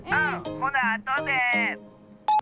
ほなあとで。